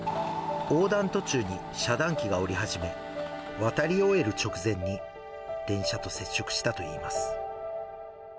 横断途中に遮断機が下り始め、渡り終える直前に電車と接触したといいます。